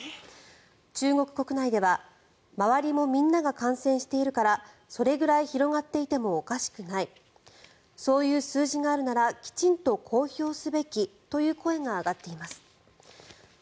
中国国内では周りもみんなが感染しているからそれくらい広がっていてもおかしくないそういう数字があるならきちんと公表するべきという声が上がっています。